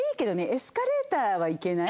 エスカレーターはいけない？